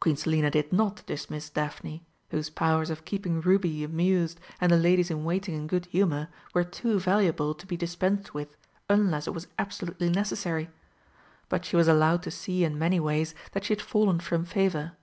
Queen Selina did not dismiss Daphne, whose powers of keeping Ruby amused and the ladies in waiting in good humour were too valuable to be dispensed with unless it was absolutely necessary. But she was allowed to see in many ways that she had fallen from favour.